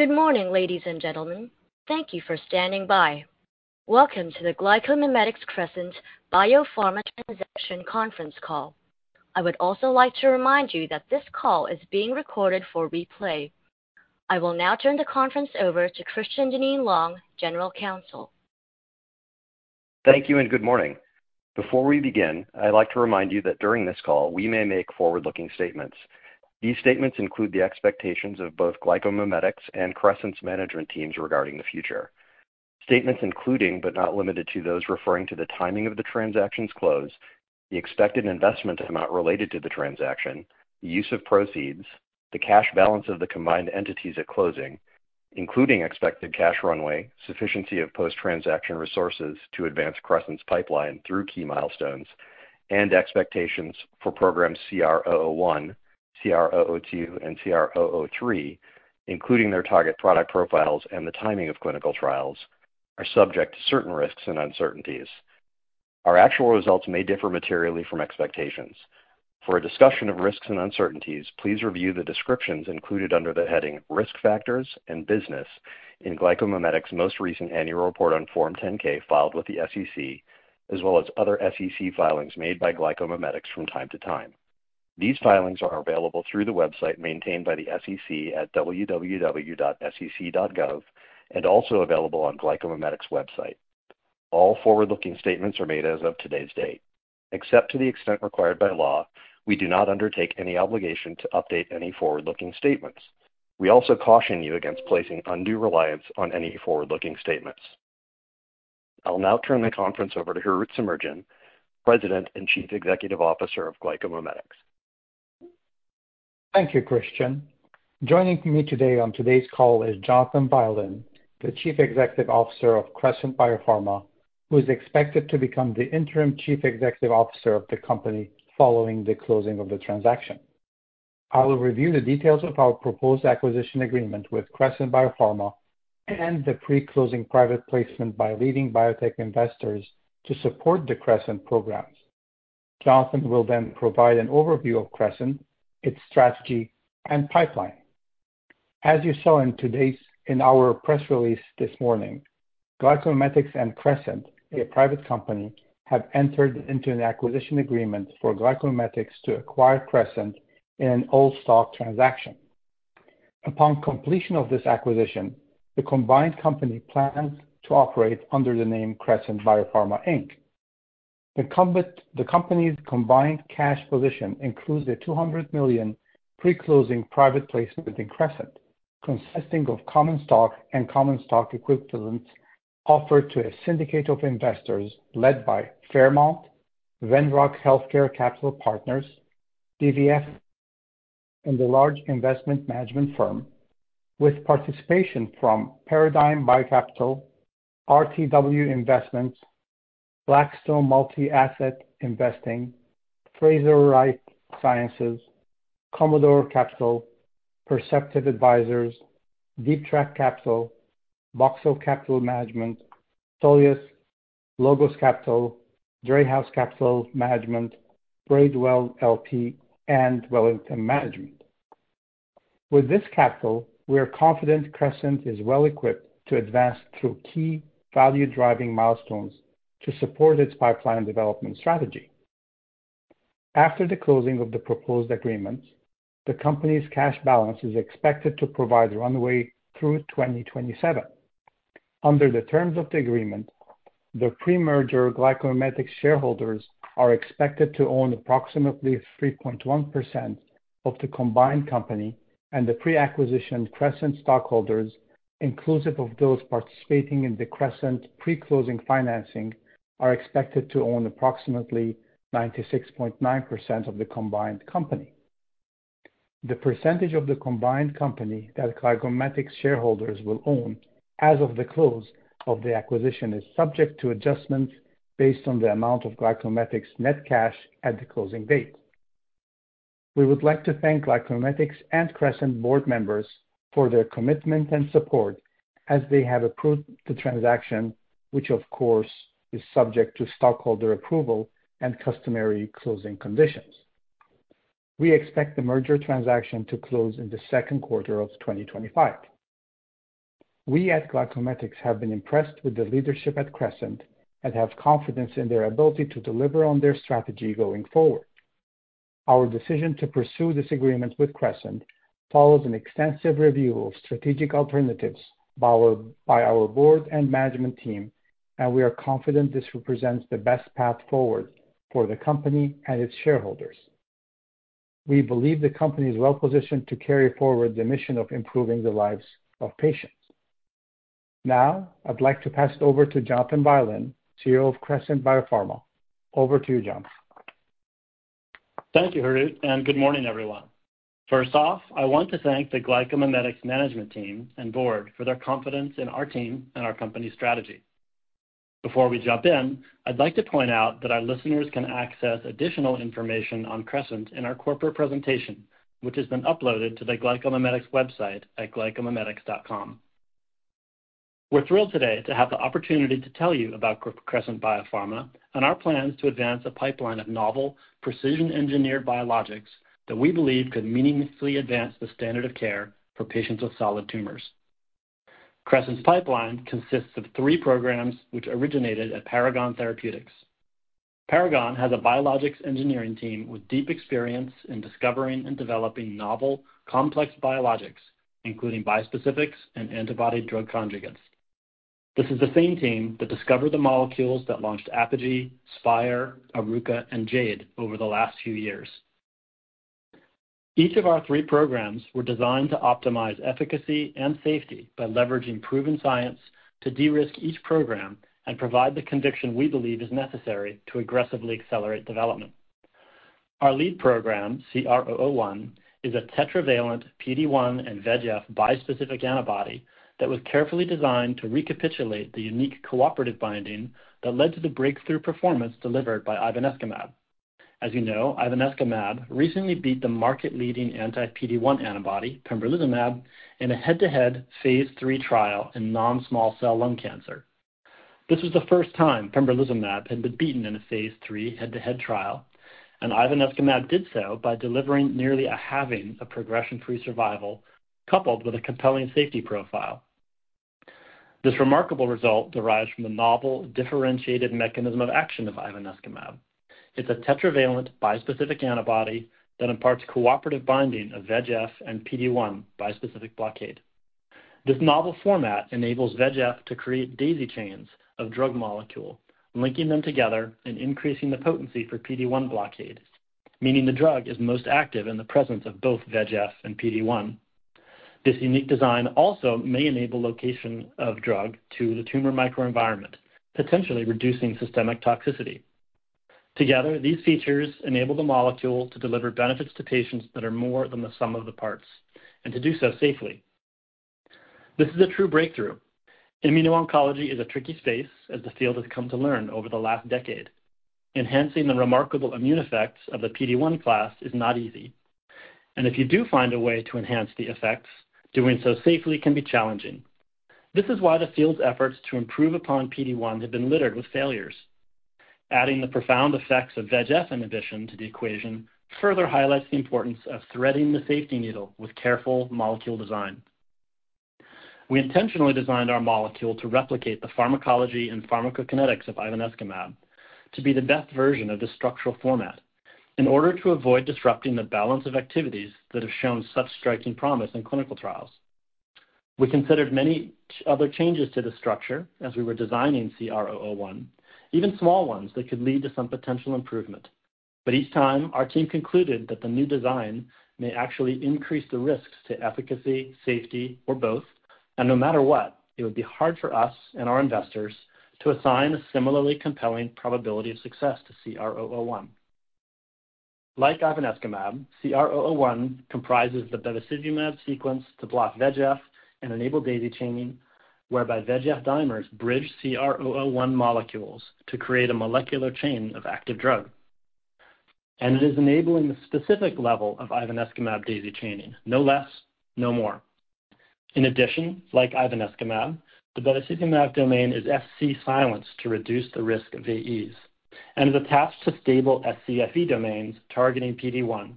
Good morning, ladies and gentlemen. Thank you for standing by. Welcome to the GlycoMimetics Crescent Biopharma Transaction Conference Call. I would also like to remind you that this call is being recorded for replay. I will now turn the conference over to Christian Dinneen-Long, General Counsel. Thank you and good morning. Before we begin, I'd like to remind you that during this call, we may make forward-looking statements. These statements include the expectations of both GlycoMimetics and Crescent's management teams regarding the future. Statements including, but not limited to, those referring to the timing of the transaction's close, the expected investment amount related to the transaction, the use of proceeds, the cash balance of the combined entities at closing, including expected cash runway, sufficiency of post-transaction resources to advance Crescent's pipeline through key milestones, and expectations for programs CR001, CR002, and CR003, including their target product profiles and the timing of clinical trials, are subject to certain risks and uncertainties. Our actual results may differ materially from expectations. For a discussion of risks and uncertainties, please review the descriptions included under the heading Risk Factors and Business in GlycoMimetics' most recent annual report on Form 10-K filed with the SEC, as well as other SEC filings made by GlycoMimetics from time to time. These filings are available through the website maintained by the SEC at www.sec.gov and also available on GlycoMimetics' website. All forward-looking statements are made as of today's date. Except to the extent required by law, we do not undertake any obligation to update any forward-looking statements. We also caution you against placing undue reliance on any forward-looking statements. I'll now turn the conference over to Harout Semerjian, President and Chief Executive Officer of GlycoMimetics. Thank you, Christian. Joining me today on today's call is Jonathan Bylen, the Chief Executive Officer of Crescent Biopharma, who is expected to become the interim Chief Executive Officer of the company following the closing of the transaction. I will review the details of our proposed acquisition agreement with Crescent Biopharma and the pre-closing private placement by leading biotech investors to support the Crescent programs. Jonathan will then provide an overview of Crescent, its strategy, and pipeline. As you saw in our press release this morning, GlycoMimetics and Crescent, a private company, have entered into an acquisition agreement for GlycoMimetics to acquire Crescent in an all-stock transaction. Upon completion of this acquisition, the combined company plans to operate under the name Crescent Biopharma Inc. The company's combined cash position includes a $200 million pre-closing private placement in Crescent, consisting of common stock and common stock equivalents offered to a syndicate of investors led by Fairmount, Venroc Healthcare Capital Partners, BVF Partners, and the large investment management firm, with participation from Paradigm BioCapital, RTW Investments, Blackstone Multi-Asset Investing, Frazier Life Sciences, Commodore Capital, Perceptive Advisors, Deep Track Capital, Boxer Capital, Soleus Capital, Logos Capital, Dreyhaus Capital Management, Braidwell LP, and Wellington Management. With this capital, we are confident Crescent is well equipped to advance through key value-driving milestones to support its pipeline development strategy. After the closing of the proposed agreement, the company's cash balance is expected to provide runway through 2027. Under the terms of the agreement, the pre-merger GlycoMimetics shareholders are expected to own approximately 3.1%, of the combined company, and the pre-acquisition Crescent stockholders, inclusive of those participating in the Crescent pre-closing financing, are expected to own approximately 96.9% of the combined company. The percentage of the combined company that GlycoMimetics shareholders will own as of the close of the acquisition is subject to adjustments based on the amount of GlycoMimetics' net cash at the closing date. We would like to thank GlycoMimetics and Crescent board members for their commitment and support as they have approved the transaction, which, of course, is subject to stockholder approval and customary closing conditions. We expect the merger transaction to close in the second quarter of 2025. We at GlycoMimetics have been impressed with the leadership at Crescent and have confidence in their ability to deliver on their strategy going forward. Our decision to pursue this agreement with Crescent follows an extensive review of strategic alternatives by our board and management team, and we are confident this represents the best path forward for the company and its shareholders. We believe the company is well positioned to carry forward the mission of improving the lives of patients. Now, I'd like to pass it over to Jonathan Bylen, CEO of Crescent Biopharma. Over to you, Jonathan. Thank you, Harout, and good morning, everyone. First off, I want to thank the GlycoMimetics management team and board for their confidence in our team and our company's strategy. Before we jump in, I'd like to point out that our listeners can access additional information on Crescent in our corporate presentation, which has been uploaded to the GlycoMimetics website at glycomimetics.com. We're thrilled today to have the opportunity to tell you about Crescent Biopharma and our plans to advance a pipeline of novel, precision-engineered biologics that we believe could meaningfully advance the standard of care for patients with solid tumors. Crescent's pipeline consists of three programs, which originated at Paragon Therapeutics. Paragon has a biologics engineering team with deep experience in discovering and developing novel, complex biologics, including bispecifics and antibody drug conjugates. This is the same team that discovered the molecules that launched Apogee, Spyre, Oruka, and Jade over the last few years. Each of our three programs was designed to optimize efficacy and safety by leveraging proven science to de-risk each program and provide the conviction we believe is necessary to aggressively accelerate development. Our lead program, CR001, is a tetravalent PD-1 and VEGF bispecific antibody that was carefully designed to recapitulate the unique cooperative binding that led to the breakthrough performance delivered by ivonescimab. As you know, ivonescimab recently beat the market-leading anti-PD-1 antibody, pembrolizumab, in a head-to-head phase III trial in non-small cell lung cancer. This was the first time pembrolizumab had been beaten in a phase III head-to-head trial, and ivonescimab did so by delivering nearly a halving of progression-free survival coupled with a compelling safety profile. This remarkable result derives from the novel differentiated mechanism of action of ivonescimab. It's a tetravalent bispecific antibody that imparts cooperative binding of VEGF and PD-1 bispecific blockade. This novel format enables VEGF to create daisy chains of drug molecules, linking them together and increasing the potency for PD-1 blockade, meaning the drug is most active in the presence of both VEGF and PD-1. This unique design also may enable location of drug to the tumor microenvironment, potentially reducing systemic toxicity. Together, these features enable the molecule to deliver benefits to patients that are more than the sum of the parts, and to do so safely. This is a true breakthrough. Immuno-oncology is a tricky space, as the field has come to learn over the last decade. Enhancing the remarkable immune effects of the PD-1 class is not easy. And if you do find a way to enhance the effects, doing so safely can be challenging. This is why the field's efforts to improve upon PD-1 have been littered with failures. Adding the profound effects of VEGF inhibition to the equation further highlights the importance of threading the safety needle with careful molecule design. We intentionally designed our molecule to replicate the pharmacology and pharmacokinetics of ivonescimab to be the best version of this structural format in order to avoid disrupting the balance of activities that have shown such striking promise in clinical trials. We considered many other changes to the structure as we were designing CR001, even small ones that could lead to some potential improvement. But each time, our team concluded that the new design may actually increase the risks to efficacy, safety, or both, and no matter what, it would be hard for us and our investors to assign a similarly compelling probability of success to CR001. Like ivonescimab, CR001 comprises the bevacizumab sequence to block VEGF and enable daisy chaining, whereby VEGF dimers bridge CR001 molecules to create a molecular chain of active drug. And it is enabling the specific level of ivonescimab daisy chaining, no less, no more. In addition, like ivonescimab, the bevacizumab domain is Fc silenced to reduce the risk of AEs and is attached to stable scFv domains targeting PD-1.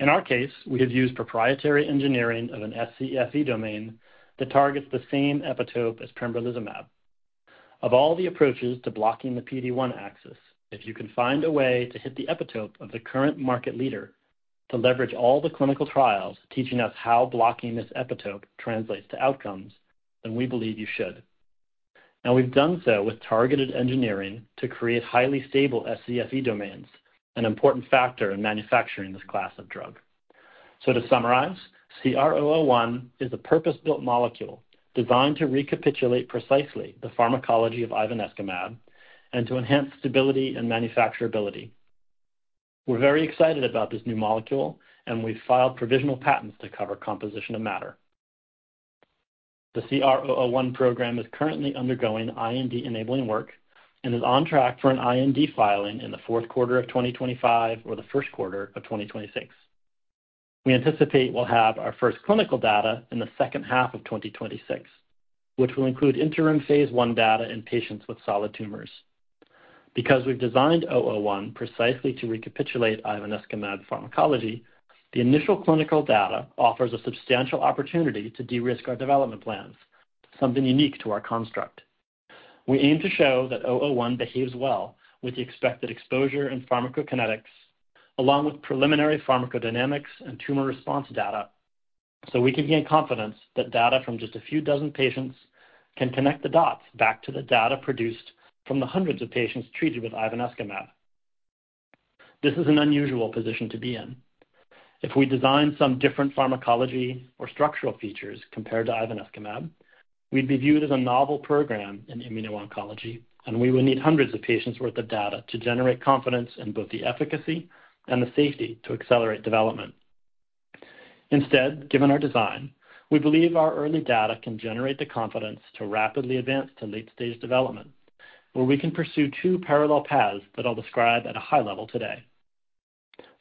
In our case, we have used proprietary engineering of an scFv domain that targets the same epitope as pembrolizumab. Of all the approaches to blocking the PD-1 axis, if you can find a way to hit the epitope of the current market leader to leverage all the clinical trials teaching us how blocking this epitope translates to outcomes, then we believe you should. And we've done so with targeted engineering to create highly stable scFv domains, an important factor in manufacturing this class of drug. So to summarize, CR001 is a purpose-built molecule designed to recapitulate precisely the pharmacology of ivonescimab and to enhance stability and manufacturability. We're very excited about this new molecule, and we've filed provisional patents to cover composition of matter. The CR001 program is currently undergoing IND-enabling work and is on track for an IND filing in the fourth quarter of 2025 or the first quarter of 2026. We anticipate we'll have our first clinical data in the second half of 2026, which will include interim phase I data in patients with solid tumors. Because we've designed 001 precisely to recapitulate ivonescimab pharmacology, the initial clinical data offers a substantial opportunity to de-risk our development plans, something unique to our construct. We aim to show that 001 behaves well with the expected exposure and pharmacokinetics, along with preliminary pharmacodynamics and tumor response data, so we can gain confidence that data from just a few dozen patients can connect the dots back to the data produced from the hundreds of patients treated with ivonescimab. This is an unusual position to be in. If we designed some different pharmacology or structural features compared to ivonescimab, we'd be viewed as a novel program in immuno-oncology, and we would need hundreds of patients' worth of data to generate confidence in both the efficacy and the safety to accelerate development. Instead, given our design, we believe our early data can generate the confidence to rapidly advance to late-stage development, where we can pursue two parallel paths that I'll describe at a high level today.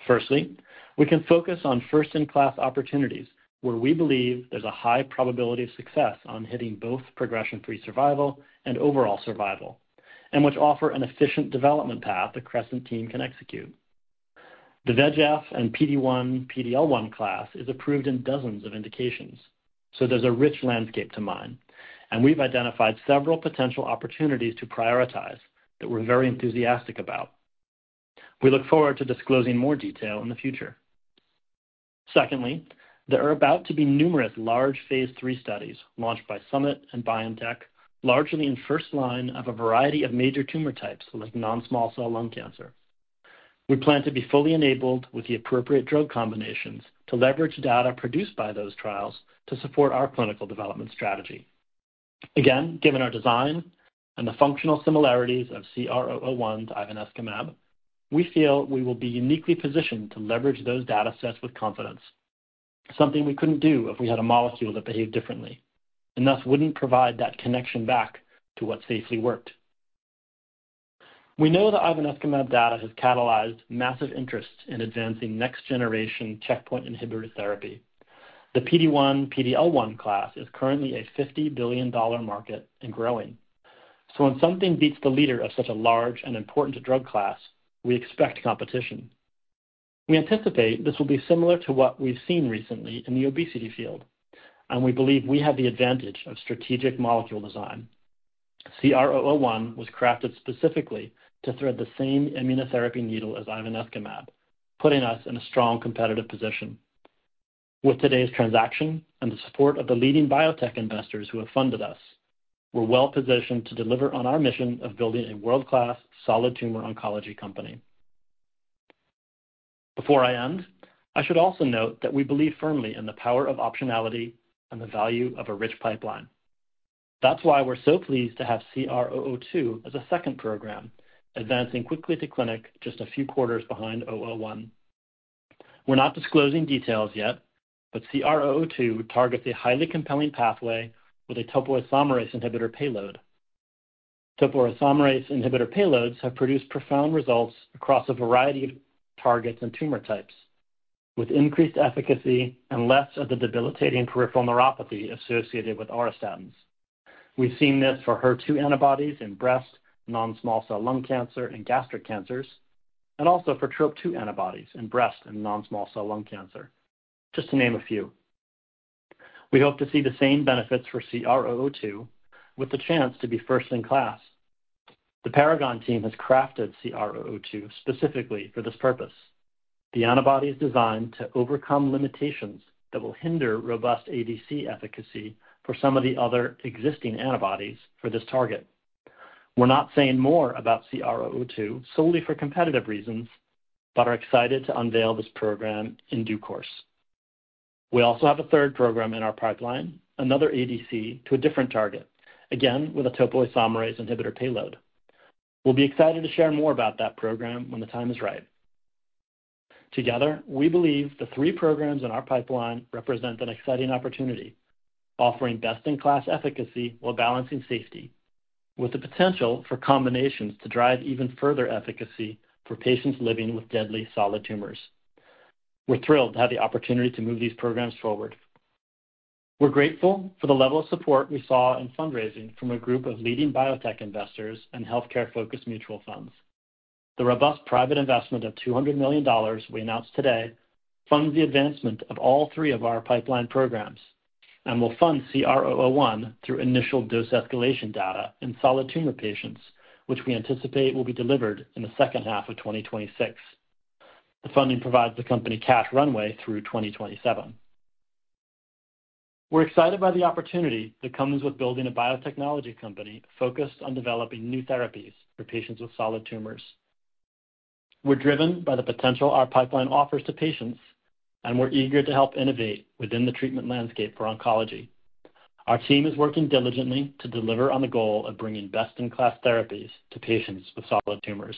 Firstly, we can focus on first-in-class opportunities where we believe there's a high probability of success on hitting both progression-free survival and overall survival, and which offer an efficient development path the Crescent team can execute. The VEGF and PD-1, PD-L1 class is approved in dozens of indications, so there's a rich landscape to mine, and we've identified several potential opportunities to prioritize that we're very enthusiastic about. We look forward to disclosing more detail in the future. Secondly, there are about to be numerous large phase III studies launched by Summit and BioNTech, largely in first line of a variety of major tumor types like non-small cell lung cancer. We plan to be fully enabled with the appropriate drug combinations to leverage data produced by those trials to support our clinical development strategy. Again, given our design and the functional similarities of CR001 to ivonescimab, we feel we will be uniquely positioned to leverage those data sets with confidence, something we couldn't do if we had a molecule that behaved differently and thus wouldn't provide that connection back to what safely worked. We know that ivonescimab data has catalyzed massive interest in advancing next-generation checkpoint inhibitor therapy. The PD-1, PD-L1 class is currently a $50 billion market and growing. So when something beats the leader of such a large and important drug class, we expect competition. We anticipate this will be similar to what we've seen recently in the obesity field, and we believe we have the advantage of strategic molecule design. CR001 was crafted specifically to thread the same immunotherapy needle as ivonescimab, putting us in a strong competitive position. With today's transaction and the support of the leading biotech investors who have funded us, we're well positioned to deliver on our mission of building a world-class solid tumor oncology company. Before I end, I should also note that we believe firmly in the power of optionality and the value of a rich pipeline. That's why we're so pleased to have CR002 as a second program, advancing quickly to clinic just a few quarters behind 001. We're not disclosing details yet, but CR002 targets a highly compelling pathway with a topoisomerase inhibitor payload. Topoisomerase inhibitor payloads have produced profound results across a variety of targets and tumor types, with increased efficacy and less of the debilitating peripheral neuropathy associated with auristatins. We've seen this for HER2 antibodies in breast, non-small cell lung cancer, and gastric cancers, and also for TROP2 antibodies in breast and non-small cell lung cancer, just to name a few. We hope to see the same benefits for CR002 with the chance to be first in class. The Paragon team has crafted CR002 specifically for this purpose. The antibody is designed to overcome limitations that will hinder robust ADC efficacy for some of the other existing antibodies for this target. We're not saying more about CR002 solely for competitive reasons, but are excited to unveil this program in due course. We also have a third program in our pipeline, another ADC to a different target, again with a topoisomerase inhibitor payload. We'll be excited to share more about that program when the time is right. Together, we believe the three programs in our pipeline represent an exciting opportunity, offering best-in-class efficacy while balancing safety, with the potential for combinations to drive even further efficacy for patients living with deadly solid tumors. We're thrilled to have the opportunity to move these programs forward. We're grateful for the level of support we saw in fundraising from a group of leading biotech investors and healthcare-focused mutual funds. The robust private investment of $200 million we announced today funds the advancement of all three of our pipeline programs and will fund CR001 through initial dose escalation data in solid tumor patients, which we anticipate will be delivered in the second half of 2026. The funding provides the company cash runway through 2027. We're excited by the opportunity that comes with building a biotechnology company focused on developing new therapies for patients with solid tumors. We're driven by the potential our pipeline offers to patients, and we're eager to help innovate within the treatment landscape for oncology. Our team is working diligently to deliver on the goal of bringing best-in-class therapies to patients with solid tumors.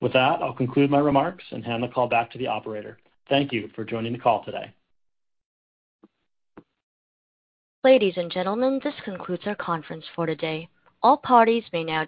With that, I'll conclude my remarks and hand the call back to the operator. Thank you for joining the call today. Ladies and gentlemen, this concludes our conference for today. All parties may now.